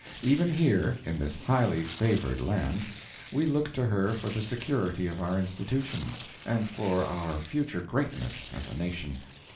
Even here, in this highly favored land, we look to her for the security of our institutions, and for our future greatness as a nation.